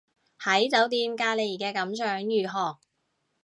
喺酒店隔離嘅感想如何